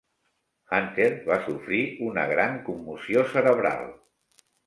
Hunter va sofrir una gran commoció cerebral.